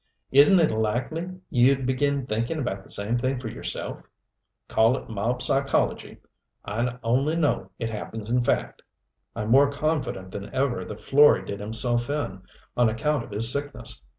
Isn't it likely you'd begin thinking about the same thing for yourself? Call it mob psychology I only know it happens in fact. "I'm more confident than ever that Florey did himself in, on account of his sickness.